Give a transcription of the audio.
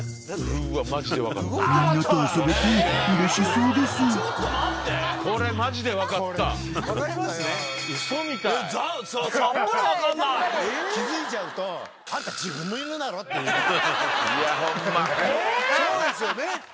そうですよね。